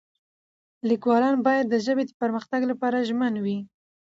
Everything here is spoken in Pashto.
لیکوالان باید د ژبې د پرمختګ لپاره ژمن وي.